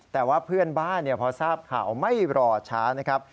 แต่ว่าเพื่อนบ้านพอทราบข่าวไม่รอช้านะครับ